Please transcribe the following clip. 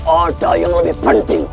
ada yang lebih penting